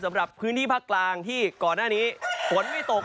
สำหรับพื้นที่ภาคกลางที่ก่อนหน้านี้ฝนไม่ตก